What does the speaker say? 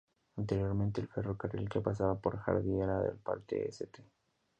Anteriormente, el ferrocarril que pasaba por Hardy era parte del "St.